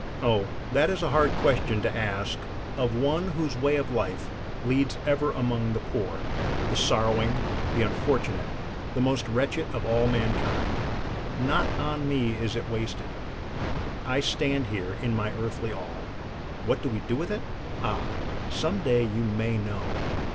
Oh, that is a hard question to ask of one whose way of life leads ever among the poor, the sorrowing, the unfortunate, the most wretched of mankind. Not on me is it wasted. I stand here in my earthly all. What do we do with it? Ah! some day you may know.